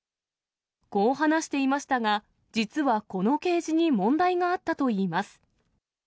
こう話していましたが、実はこのケージに問題があったといいます。